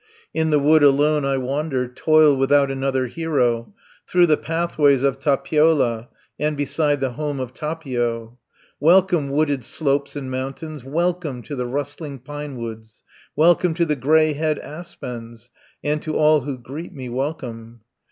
"In the wood alone I wander, Toil without another hero, Through the pathways of Tapiola, And beside the home of Tapio. Welcome, wooded slopes and mountains, Welcome to the rustling pinewoods, Welcome to the grey head aspens, And to all who greet me, welcome!